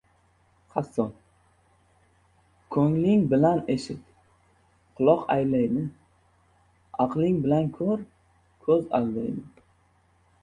— Qassob, ko‘ngling bilan eshit — quloq aldaydi, aqling bilan ko‘r — ko‘z aldaydi.